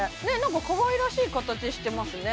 かわいらしい形してますね